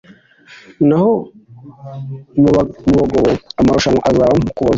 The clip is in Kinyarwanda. naho mu bagobo amarushanwa azaba mu Ukuboza